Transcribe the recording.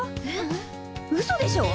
うそでしょ？